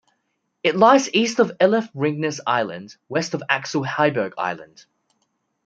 It lies east of Ellef Ringnes Island, west of Axel Heiberg Island.